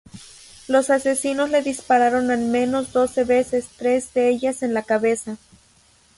Los asesinos le dispararon al menos doce veces, tres de ellas en la cabeza.